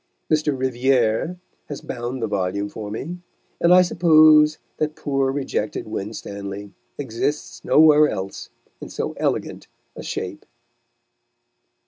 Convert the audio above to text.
Mr. Rivière has bound the volume for me, and I suppose that poor rejected Winstanley exists nowhere else in so elegant a shape.